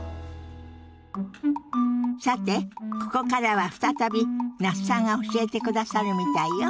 さてここからは再び那須さんが教えてくださるみたいよ。